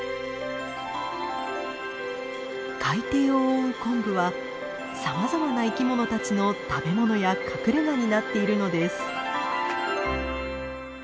海底を覆うコンブはさまざまな生きものたちの食べものや隠れがになっているのです。